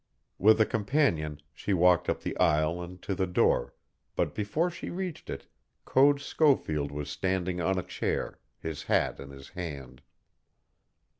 With a companion she walked up the aisle and to the door, but before she reached it Code Schofield was standing on a chair, his hat in his hand.